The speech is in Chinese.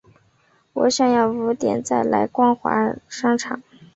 我想要五点再来光华商场